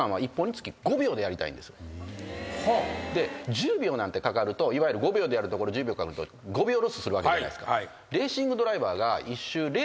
１０秒なんてかかるといわゆる５秒でやるところを１０秒かかると５秒ロスするわけじゃないですか。